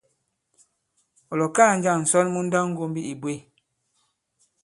Ɔ̀ lɔ̀kaa njâŋ ǹsɔn mu nndawŋgombi ǐ bwě ?